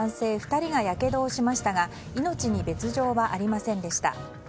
２人がやけどをしましたが命に別条はありませんでした。